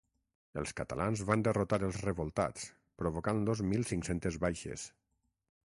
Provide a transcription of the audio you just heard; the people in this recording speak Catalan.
Els catalans van derrotar els revoltats, provocant-los mil cinc-centes baixes.